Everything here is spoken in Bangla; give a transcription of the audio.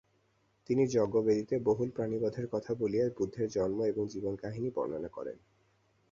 তিনি যজ্ঞ- বেদীতে বহুল প্রাণিবধের কথা বলিয়া বুদ্ধের জন্ম এবং জীবন-কাহিনী বর্ণনা করেন।